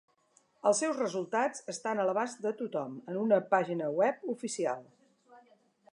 Els seus resultats estan a l'abast de tothom en una pàgina web oficial.